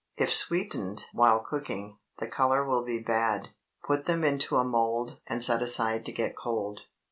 If sweetened while cooking, the color will be bad. Put them into a mould and set aside to get cold.